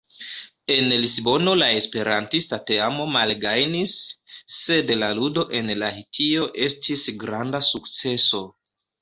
En Lisbono la esperantista teamo malgajnis, sed la ludo en Lahtio estis granda sukceso.